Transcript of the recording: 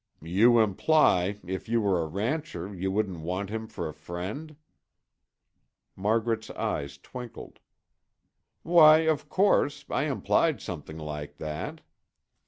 "You imply, if you were a rancher, you wouldn't want him for a friend?" Margaret's eyes twinkled. "Why, of course, I implied something like that."